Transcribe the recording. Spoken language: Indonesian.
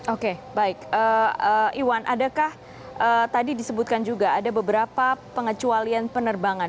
oke baik iwan adakah tadi disebutkan juga ada beberapa pengecualian penerbangan